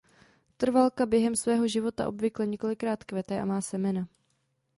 Trvalka během svého života obvykle několikrát kvete a má semena.